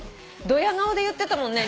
どや顔で言ってたもんね。